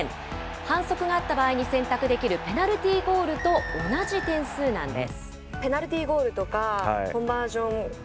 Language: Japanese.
反則があった場合に選択できるペナルティーゴールと同じ点数なんです。